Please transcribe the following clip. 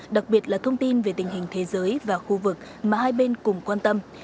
đặc biệt là thông tin về tình hình thế giới và khu vực mà hai bên cùng quan tâm